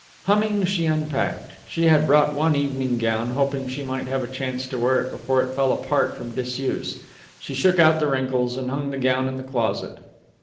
Humming, she unpacked. She had brought one evening gown, hoping she might have a chance to wear it before it fell apart from disuse. She shook out the wrinkles and hung the gown in the closet.